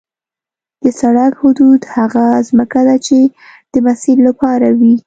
د سړک حدود هغه ځمکه ده چې د مسیر لپاره وي